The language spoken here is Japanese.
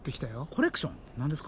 コレクション何ですか？